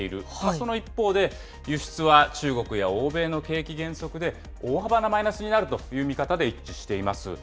その一方で、輸出は中国や欧米の景気減速で、大幅なマイナスになるという見方で一致しています。